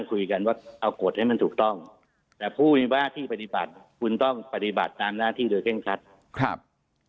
คุณต้องปฏิบัติตามหน้าที่เดียวเคร่งคัดครับ